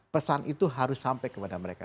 pesan itu harus sampai kepada mereka